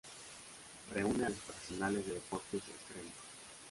Reúne a los profesionales de deportes extremos.